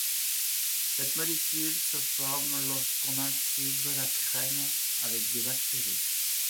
Cette molécule se forme lorsqu’on incube la crème avec des bactéries.